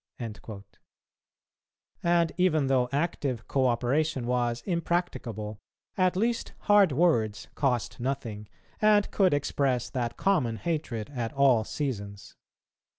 "[254:1] And even though active co operation was impracticable, at least hard words cost nothing, and could express that common hatred at all seasons.